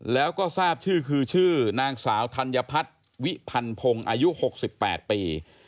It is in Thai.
แล้วก็ทราบชื่อคือชื่อนางสาวธัญพัฒน์วิพันพงศ์อายุ๖๘ปี